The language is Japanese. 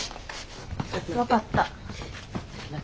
分かった。